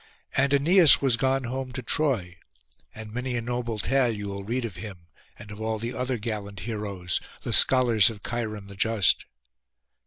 And Æneas was gone home to Troy, and many a noble tale you will read of him, and of all the other gallant heroes, the scholars of Cheiron the just.